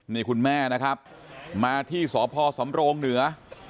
นี่คุณแม่นะครับมาที่สพสำโรงเหนือ